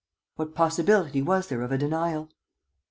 What possibility was there of a denial?